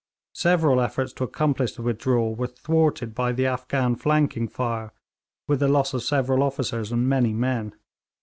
Several efforts to accomplish the withdrawal were thwarted by the Afghan flanking fire, with the loss of several officers and many men.